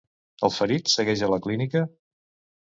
El ferit segueix a la clínica?